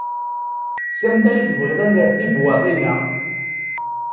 Sanda i tebɣiḍ ad nerr tibwaḍin-a?